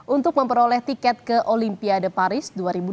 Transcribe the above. untuk memperoleh tiket ke olimpiade paris dua ribu dua puluh